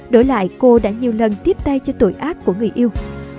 đổi lại cô đã nhiều lần tiếp tay cho tội ác của người yêu